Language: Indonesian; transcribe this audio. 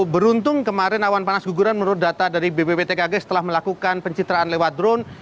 beruntung kemarin awan panas guguran menurut data dari bpptkg setelah melakukan pencitraan lewat drone